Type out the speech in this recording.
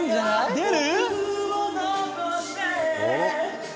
出る？